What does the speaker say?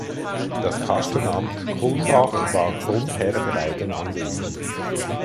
Das Kastenamt Kulmbach war Grundherr der beiden Anwesen.